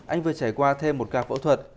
anh vừa trải qua thêm một ca phẫu thuật